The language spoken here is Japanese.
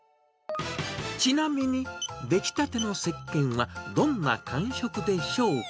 ちなみに、出来たてのせっけんはどんな感触でしょうか？